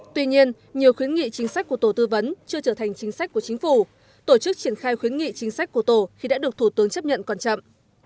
tuy nhiên nhiều khuyến nghị chính sách của tổ tư vấn chưa trở thành chính sách của chính phủ tổ chức triển khai khuyến nghị chính sách của tổ khi đã được thủ tướng chấp nhận còn chậm